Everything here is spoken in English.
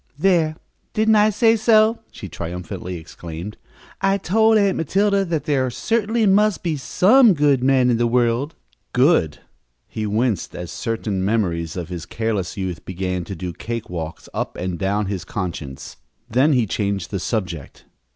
"There, didn't I say so!" she triumphantly exclaimed. "I told Aunt Matilda that there certainly must be some good men in the world!" Good! He winced as certain memories of his careless youth began to do cake walks up and down his conscience. Then he changed the subject.